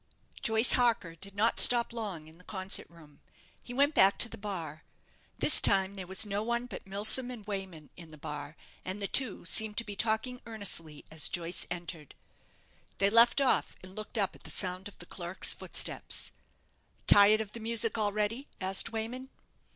Joyce Harker did not stop long in the concert room. He went back to the bar. This time there was no one but Milsom and Wayman in the bar, and the two seemed to be talking earnestly as Joyce entered. They left off, and looked up at the sound of the clerk's footsteps. "Tired of the music already?" asked Wayman.